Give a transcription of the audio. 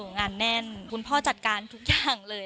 งานแน่นคุณพ่อจัดการทุกอย่างเลย